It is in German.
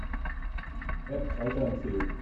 App weiterempfehlen.